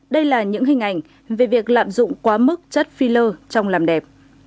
đây là những hình ảnh về việc lạm dụng quá mức chất phil trong làm đẹp